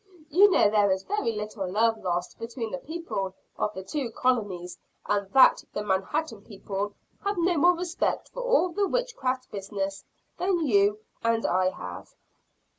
You know there is very little love lost between the people of the two colonies; and that the Manhattan people have no more respect for all the witchcraft business, than you and I have."